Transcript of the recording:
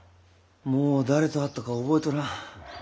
もう誰と会ったか覚えとらん。